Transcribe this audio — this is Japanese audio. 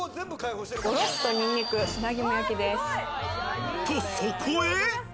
ゴロっとニンニク砂肝焼きでと、そこへ、